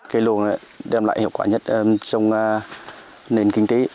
cây luồng đem lại hiệu quả nhất trong nền kinh tế